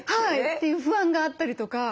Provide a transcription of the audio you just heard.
という不安があったりとか。